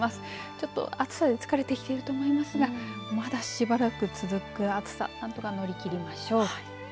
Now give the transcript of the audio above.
ちょっと暑さで疲れてきてると思いますがまだしばらく続く暑さ何とか乗り切りましょう。